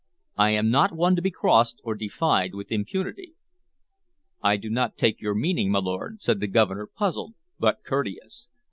I am not one to be crossed or defied with impunity." "I do not take your meaning, my lord," said the Governor, puzzled, but courteous.